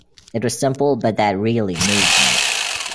It was simple but that really moved me.